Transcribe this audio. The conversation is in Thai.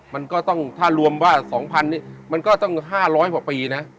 มันก็ต้องถ้ารวมว่า๒๐๐นี่มันก็ต้อง๕๐๐กว่าปีนะ